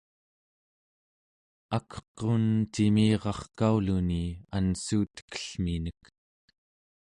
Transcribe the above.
akqun cimiriarkauluni anssuutekellminek